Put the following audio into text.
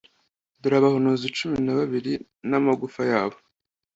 Dore abahanuzi cumi na babiri, n’amagufa yabo,